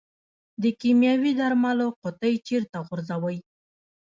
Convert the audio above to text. د کیمیاوي درملو قطۍ چیرته غورځوئ؟